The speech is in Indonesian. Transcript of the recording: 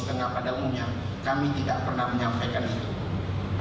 setengah padamunya kami tidak pernah menyampaikan itu